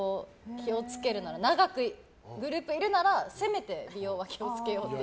気を付けるなら長くグループにいるならせめて美容は気をつけようって。